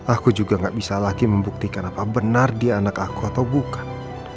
aku juga gak bisa lagi membuktikan apa benar dia anak aku atau bukan